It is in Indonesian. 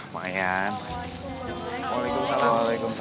masih udah mulai